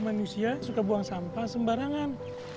manusia suka buang sampah sembarangan